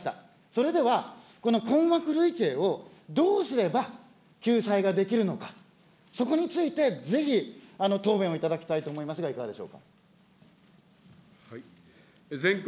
それでは、この困惑類型をどうすれば救済ができるのか、そこについてぜひ答弁をいただきたいと思いますが、いかがでしょうか。